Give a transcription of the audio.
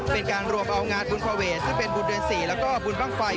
เป็นการรวบเอางานบุญภเวทซึ่งเป็นบุญเดือน๔แล้วก็บุญบ้างไฟ